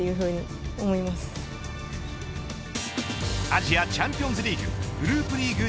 アジアチャンピオンズリーググループリーグ